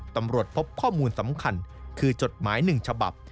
ตำรวจพบข้อมูลสำคัญคือจดหมาย๑ฉบับ